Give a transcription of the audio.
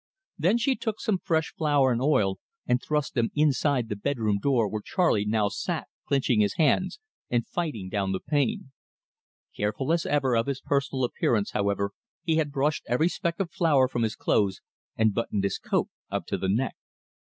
Then she took some fresh flour and oil, and thrust them inside the bedroom door where Charley now sat clinching his hands and fighting down the pain. Careful as ever of his personal appearance, however, he had brushed every speck of flour from his clothes, and buttoned his coat up to the neck.